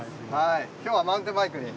今日はマウンテンバイクに。